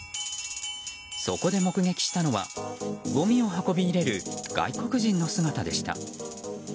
そこで目撃したのはごみを運び入れる外国人の姿でした。